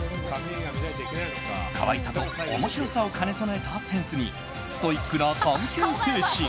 可愛さと面白さを兼ね備えたセンスにストイックな探求精神。